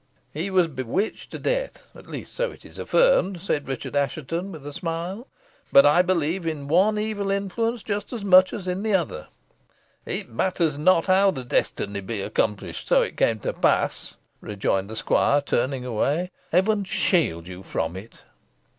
"He was bewitched to death so, at least, it is affirmed," said Richard Assheton, with a smile. "But I believe in one evil influence just as much as in the other." "It matters not how the destiny be accomplished, so it come to pass," rejoined the squire, turning away. "Heaven shield you from it!"